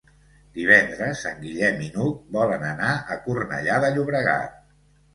Divendres en Guillem i n'Hug volen anar a Cornellà de Llobregat.